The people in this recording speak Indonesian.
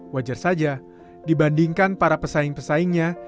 wajar saja dibandingkan para pesaing pesaingnya